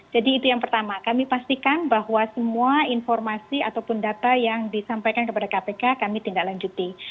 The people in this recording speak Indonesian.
jadi itu yang pertama kami pastikan bahwa semua informasi ataupun data yang disampaikan kepada kpk kami tindak lanjuti